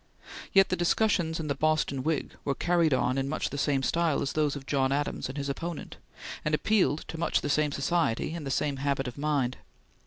Yet the discussions in the Boston Whig were carried on in much the same style as those of John Adams and his opponent, and appealed to much the same society and the same habit of mind.